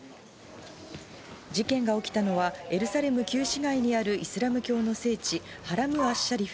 事件が起きたのはエルサレム旧市街にあるイスラム教の聖地・ハラム・アッシャリフ。